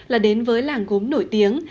là đến với làng gốm nổi tiếng